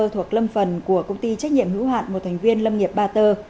thuộc lâm phần của công ty trách nhiệm hữu hạn một thành viên lâm nghiệp ba tơ